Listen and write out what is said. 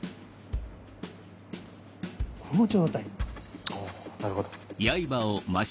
この状態。はなるほど。